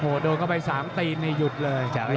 โหโดนเข้าไป๓ตีนในหยุดเลย